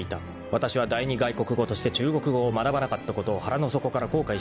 ［わたしは第二外国語として中国語を学ばなかったことを腹の底から後悔したものだ］